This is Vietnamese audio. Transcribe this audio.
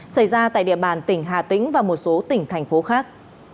xảy ra tại địa bàn tỉnh hà tĩnh và một số tỉnh thành phố khác